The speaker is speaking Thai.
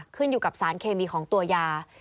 ขึ้นอยู่กับสารเคมีของตัวยา